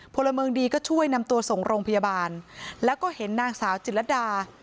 พลเมืองดีก็ช่วยนำตัวส่งโรงพยาบาลแล้วก็เห็นนางสาวจิตรดา